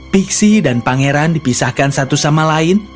pixi dan pangeran dipisahkan satu sama lain